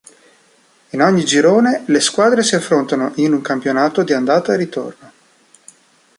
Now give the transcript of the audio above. In ogni girone le squadre si affrontano in un campionato di andata e ritorno.